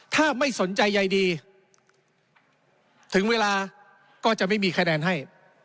ถ้าไม่สนใจใยดีถึงเวลาก็จะไม่มีคะแนนให้